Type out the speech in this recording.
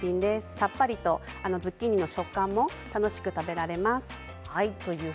さっぱりとズッキーニの食感も楽しく食べられます。